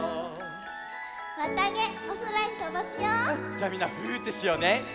じゃあみんな「ふぅ」ってしようね！